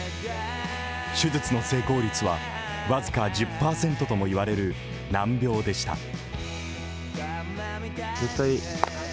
手術の成功率は僅か１０％ともいわれる難病でした。